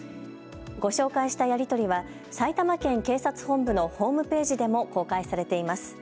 ご紹介したやり取りは埼玉県警察本部のホームページでも公開されています。